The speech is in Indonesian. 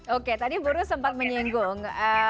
oke tadi buruh sempat menyinggung